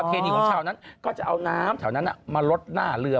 ก็จะเอาน้ำเฉาะนั้นน่ะมาล้ดหน้าเรือ